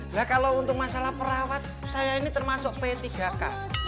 nah kalau untuk masalah perawat saya ini termasuk p tiga k